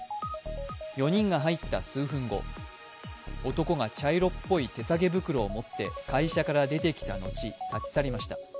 ４人が入った数分後、男が茶色っぽい手提げ袋を持って会社から出てきた後、立ち去りました。